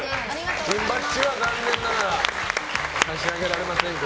バッジは残念ながら差し上げられませんが。